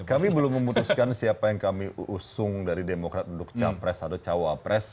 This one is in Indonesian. kami belum memutuskan siapa yang kami usung dari demokrat untuk capres atau cawapres